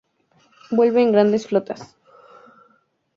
Vuelan en grandes flotas.